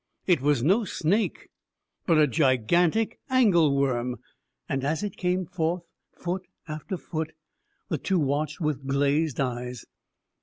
It was no snake, but a gigantic angleworm, and as it came forth, foot after foot, the two watched with glazed eyes.